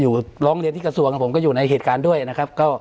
ร้องเรียนที่กระทรวงผมก็อยู่ในเหตุการณ์ด้วยนะครับ